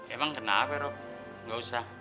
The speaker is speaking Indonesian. emang kenapa rok nggak usah